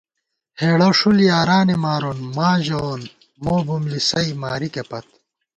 ہېڑہ ݭُل یارانےمارون ، ماں ژَوون ، مو بُم لِسَئ مارِکے پت